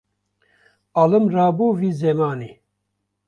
Alim rabû vî zemanî